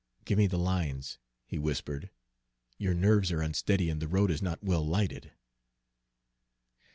"Give me the lines," he whispered. "Your nerves are unsteady and the road is not well lighted."